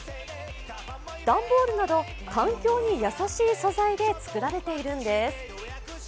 段ボールなど環境に優しい素材で作られているんです。